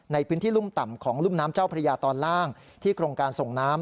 ในพื้นที่รุ่มต่ำของรุ่มน้ำเจ้าพระยาตอนล่างที่โครงการส่งน้ำ